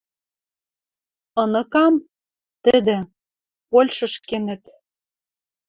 «Ыныкам?» — «Тӹдӹ. Польшыш кенӹт